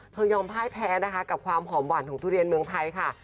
ยอมพ่ายแพ้นะคะกับความหอมหวานของทุเรียนเมืองไทยค่ะ